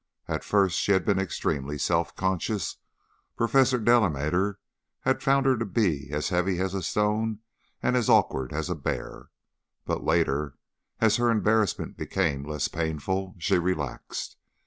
At first she had been extremely self conscious; Professor Delamater had found her to be as heavy as stone and as awkward as a bear; but later, as her embarrassment became less painful, she relaxed.